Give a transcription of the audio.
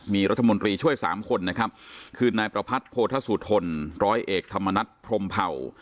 มีรัฐมนตรีช่วยสามคนนะครับคือนายประพัทธ์โพธสุทนร้อยเอกธรรมนัฐพรมเผ่า